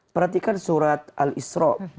perhatikan surat al isro